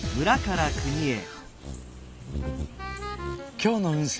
今日の運勢。